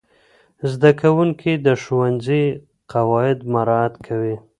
زدهکوونکي د ښوونځي قواعد مراعت کوي.